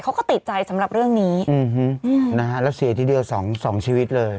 เขาก็ติดใจสำหรับเรื่องนี้อืมนะฮะแล้วเสียทีเดียวสองสองชีวิตเลย